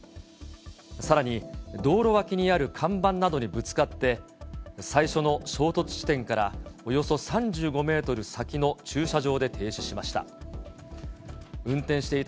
さらに道路脇にある看板などにぶつかって、最初の衝突地点から、およそ３５メートル先の駐車場で停止しました。